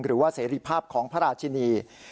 หรือว่าเสรีภาพของพระราชินี